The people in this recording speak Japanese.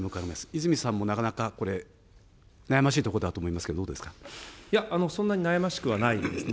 泉さんもなかなかこれ、悩ましいところだと思いますが、どうですいや、そんなに悩ましくはないですね。